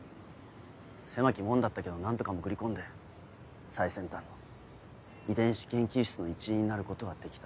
狭き門だったけど何とか潜り込んで最先端の遺伝子研究室の一員になることができた。